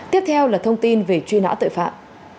tiếp theo là thông tin về truy nã tội phạm